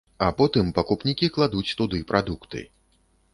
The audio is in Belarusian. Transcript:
А потым пакупнікі кладуць туды прадукты.